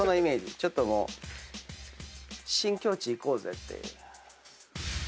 ちょっともう新境地行こうぜっていう。